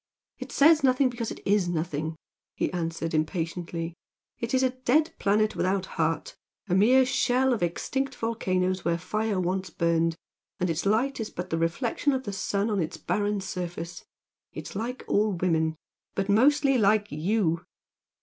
"It says nothing because it IS nothing" he answered, impatiently "It is a dead planet without heart, a mere shell of extinct volcanoes where fire once burned, and its light is but the reflection of the sun on its barren surface. It is like all women, but mostly like YOU!"